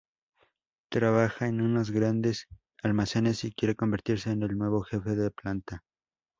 Trabaja en unos grandes almacenes y quiere convertirse en el nuevo Jefe de planta.